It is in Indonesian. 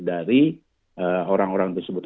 dari orang orang tersebut